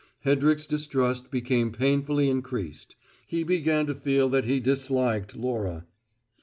Hedrick's distrust became painfully increased: he began to feel that he disliked Laura.